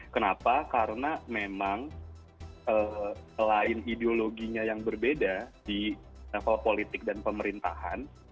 kenapa karena memang selain ideologinya yang berbeda di level politik dan pemerintahan